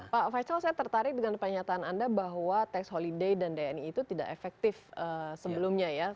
pak faisal saya tertarik dengan pernyataan anda bahwa tax holiday dan dni itu tidak efektif sebelumnya ya